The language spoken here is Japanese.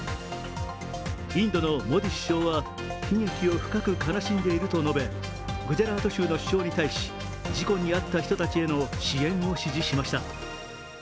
インドのモディ首相は悲劇を深く悲しんでいると述べグジャラート州の首相に対し事故に遭った人たちへの支援を指示しました。